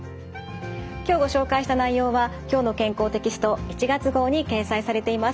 今日ご紹介した内容は「きょうの健康」テキスト１月号に掲載されています。